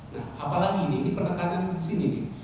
nah apalagi ini ini penekanan di sini